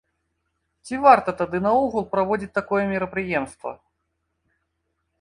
Ці варта тады наогул праводзіць такое мерапрыемства?